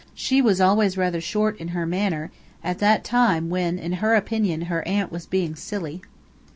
She was always rather short in her manner at that time when in her opinion her aunt was being "silly."